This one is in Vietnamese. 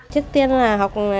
trước tiên là học